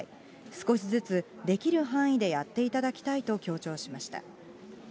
少しずつできる範囲でやっていただきたいと強調しました。